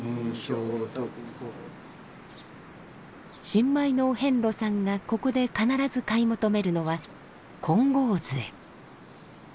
新米のお遍路さんがここで必ず買い求めるのは金剛杖。